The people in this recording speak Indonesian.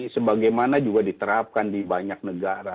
sebagaimana juga diterapkan di banyak negara